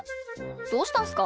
どうしたんすか？